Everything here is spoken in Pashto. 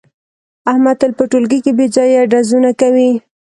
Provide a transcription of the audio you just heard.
احمد تل په ټولگي کې بې ځایه ډزونه کوي.